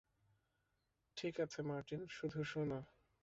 ঠিক আছে, মার্টিন, শুধু শোন।